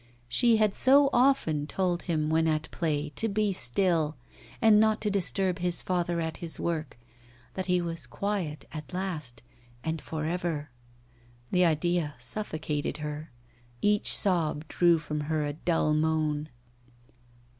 She had so often told him when at play to be still, and not to disturb his father at his work, that he was quiet at last, and for ever. The idea suffocated her; each sob drew from her a dull moan.